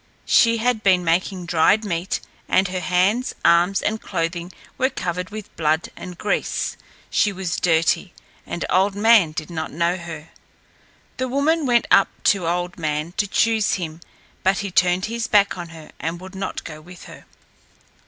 She had been making dried meat, and her hands, arms, and clothing were covered with blood and grease. She was dirty, and Old Man did not know her. The woman went up to Old Man to choose him, but he turned his back on her and would not go with her.